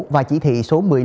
và chỉ thị số một mươi năm